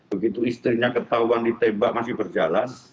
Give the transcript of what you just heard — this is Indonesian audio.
begitu istrinya ketahuan ditembak masih berjalan